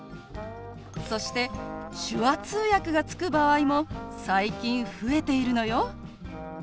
そして手話通訳がつく場合も最近増えているのよ。